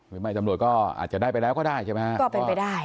ไม่ตำรวจก็อาจจะได้ไปแล้วก็ได้ใช่ไหมฮะก็เป็นไปได้